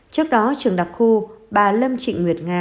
trước đó trường đặc khu bà lâm trịnh nguyệt nga